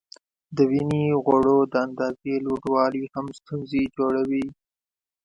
د وینې غوړو د اندازې لوړوالی هم ستونزې جوړوي.